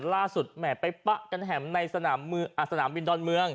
ล่าสุดแหม่ไปปะกันแห่มในสนามมืออ่าสนามบินดอนเมือง